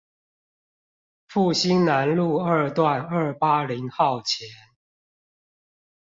復興南路二段二八〇號前